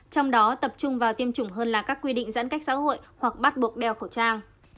trong đó tập trung vào tiêm chủng hơn là các quy định giãn cách xã hội hoặc bắt buộc đeo khẩu trang